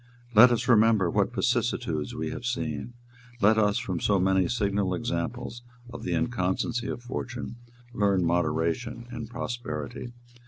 "Let us remember what vicissitudes we have seen. Let us, from so many signal examples of the inconstancy of fortune, learn moderation in prosperity.